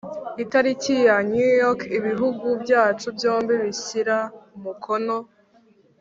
Itariki ya new york ibihugu byacu byombi bishyira umukono